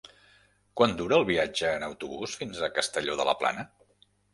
Quant dura el viatge en autobús fins a Castelló de la Plana?